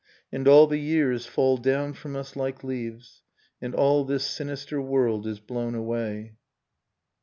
.' And all the years fall down from us like leaves. And all this sinister world is blown away.